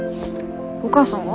お母さんは？